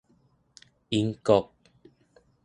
大不列顛國